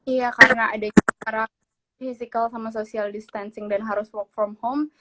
iya karena ada cara physical sama social distancing dan harus work from home